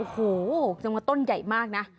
หูจำนวนต้นใหญ่มากนะ